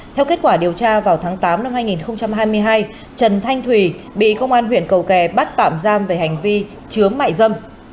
theo kết quả điều tra vào tháng tám năm hai nghìn hai mươi hai trần thanh thùy bị công an huyện cầu kè bắt phạm giam về hành vi chướng mại dâm